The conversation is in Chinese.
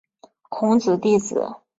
孔子弟子。